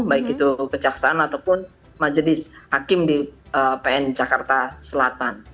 baik itu kejaksaan ataupun majelis hakim di pn jakarta selatan